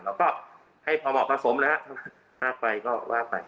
แล้วก็ให้พอเหมาะประสมแล้วถ้าไปก็ว่าไป